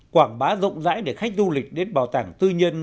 quảng bá rộng rãi để khách du lịch đến bảo tàng tư nhân